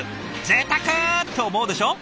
「ぜいたく！」と思うでしょ？